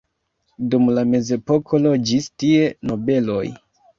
Dum la mezepoko loĝis tie nobeloj.